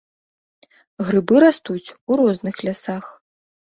Грыбы растуць у розных лясах.